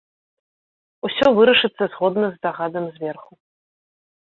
Усё вырашыцца згодна з загадам зверху.